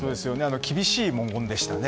厳しい文言でしたね。